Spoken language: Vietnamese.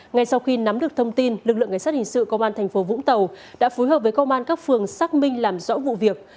ngay sau khi nắm được thông tin lực lượng ngay sát hình sự công an thành phố vũng tàu đã phối hợp với công an các phường xác minh làm rõ vụ việc